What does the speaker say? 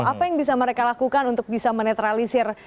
apa yang bisa mereka lakukan untuk bisa menetralisir